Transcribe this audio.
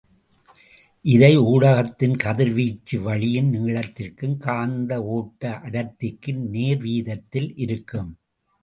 இது ஊடகத்தின் கதிர்வீச்சு வழியின் நீளத்திற்கும் காந்த ஒட்ட அடர்த்திக்கும் நேர்வீதத்தில் இருக்கும்.